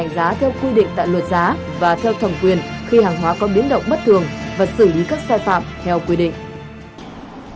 giá theo quy định tại luật giá và theo thẩm quyền khi hàng hóa có biến động bất thường và xử lý các sai phạm theo quy định